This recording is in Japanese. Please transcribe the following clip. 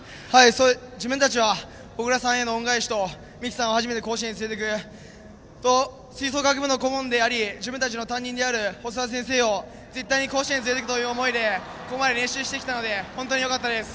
自分たちは小倉さんへの恩返しと三木さんを初めて甲子園を初めて連れて行くとあと吹奏楽部の顧問の自分たちの担任である先生を絶対に甲子園につれて行くという思いでここまで練習してきたので本当によかったです。